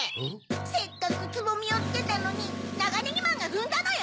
せっかくつぼみをつけたのにナガネギマンがふんだのよ！